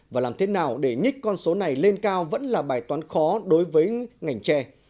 và làm thế nào để nhích con số này lên cao vẫn là bài toán khó đối với ngành tre